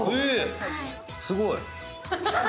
すごい。